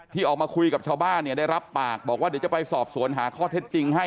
ที่ออกมาคุยกับชาวบ้านเนี่ยได้รับปากบอกว่าเดี๋ยวจะไปสอบสวนหาข้อเท็จจริงให้